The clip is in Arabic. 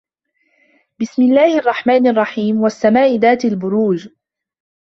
بسم الله الرحمن الرحيم والسماء ذات البروج